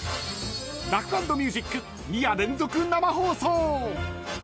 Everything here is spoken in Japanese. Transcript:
「ラフ＆ミュージック」２夜連続生放送。